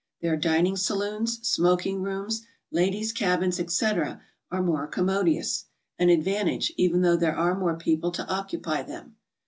Their din ing saloons, smoking rooms, ladies' cabins, etc., are more commodious, — ^an advantage, even though there are more people to occupy them.